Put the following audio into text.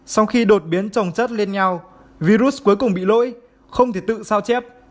sau khi đột biến trồng chất lên nhau virus cuối cùng bị lỗi không thể tự sao chép